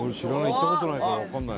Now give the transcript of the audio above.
行った事ないからわかんない。